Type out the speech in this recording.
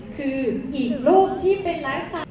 คืออีกรูปที่เป็นไลฟ์สไต